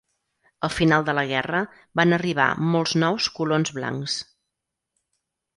Al final de la guerra, van arribar molts nous colons blancs.